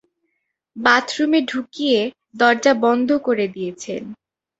বাথরুমে ঢুকিয়ে দরজা বন্ধ করে দিয়েছেন।